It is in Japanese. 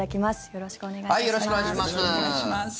よろしくお願いします。